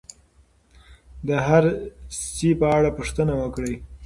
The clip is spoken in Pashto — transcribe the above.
د هر سي په اړه پوښتنه وکړئ.